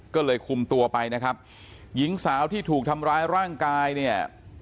ก็เลยคุมตัวไปนะครับหญิงสาวที่ถูกทำร้ายร่างกายเนี่ย